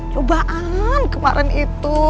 cobaan kemarin itu